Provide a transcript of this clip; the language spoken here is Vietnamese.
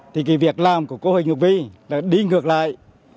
thì cái việc làm của cô huỳnh hữu vi là đi ngược lại